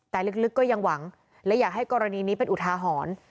แต่ลึกก็ยังหวังและอยากให้กรณีนี้เป็นอุทาหรณ์